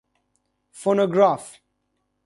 فونوگراف